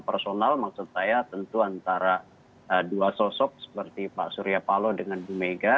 personal maksud saya tentu antara dua sosok seperti pak surya palo dengan bumega